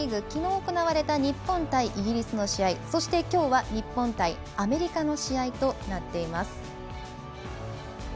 きのう、行われた日本対イギリスの試合そして、きょうは日本対アメリカの試合となっています。